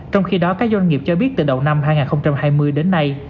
trong khi đó các doanh nghiệp cho biết từ đầu năm hai nghìn hai mươi đến nay